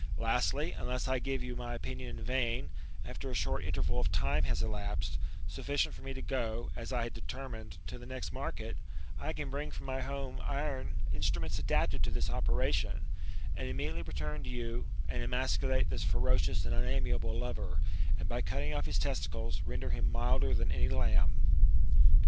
Lastly, unless I give you my opmion in vain, after a short interval of time has elapsed, sdfBcient for me to go, as I had determined, to the next market, I can bring from my house iron instruments adapted to this operation, and immediately return to you, and emasculate this IlS THE IIBTAMORPHOSI8, OR ferocioui and unamiable lover, and, by cutting off his testicles, render him milder than any lamb."